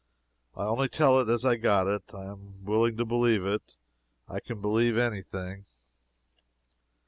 I only tell it as I got it. I am willing to believe it. I can believe any thing.